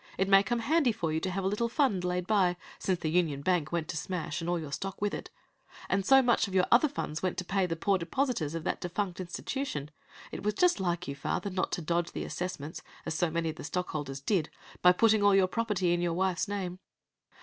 It may come handy for you to have a little fund laid by, since the Union Bank went to smash, and all your stock with it, and so much of your other funds went to pay the poor depositors of that defunct institution. It was just like you, father, not to dodge the assessments, as so many of the stockholders did, by putting all your property in your wife's name.